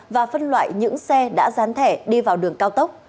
và phân loại những xe đã dán thẻ đi vào đường cao tốc